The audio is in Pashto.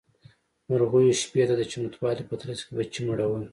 مرغيو شپې ته د چمتووالي په ترڅ کې بچي مړول.